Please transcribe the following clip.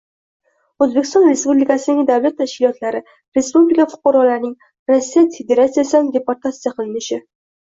O‘zbekiston Respublikasining davlat tashkilotlari respublika fuqarolarining Rossiya Federatsiyasidan deportatsiya qilinishi